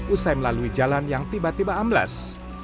usai melalui jalan yang tiba tiba ambles